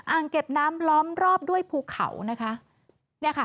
อ่างเก็บน้ำล้อมรอบด้วยภูเขานะคะ